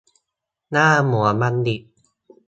หน้าเหมือนบัณฑิต